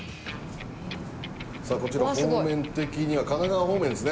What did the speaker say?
さあこちら方面的には神奈川方面ですね。